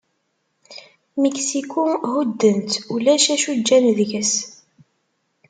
Miksiku, hudden-tt, ulac acu ǧǧan deg-s.